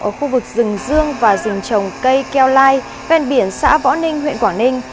ở khu vực rừng dương và rừng trồng cây keo lai ven biển xã võ ninh huyện quảng ninh